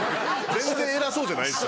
全然偉そうじゃないです。